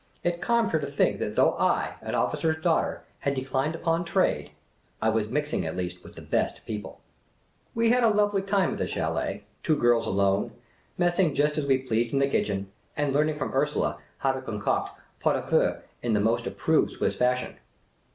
It calmed her to think that though I, an officer's daughter, had declined upon trade, I was mixing at least with the Best People ! We had a lovely time at the chdlet — two girls alone, mess The Impromptu Mountaineer 125 ing just as we pleased in the kitchen, and learning from Ursula how to concoct pot au feic in the most approved Swiss fashion.